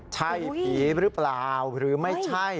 ใช่ผีหรือเปล่าหรือไม่ใช่